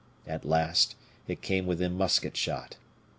At last it came within musket shot.